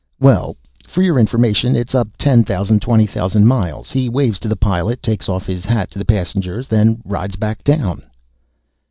"Well, for your information, it's up ten thousand, twenty thousand miles. He waves to the pilot, takes off his hat to the passengers, then rides back down."